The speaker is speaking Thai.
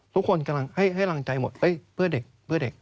ทุกคนให้กำลังใจหมดเฮ้ยเพื่อนเด็กเพื่อนเด็ก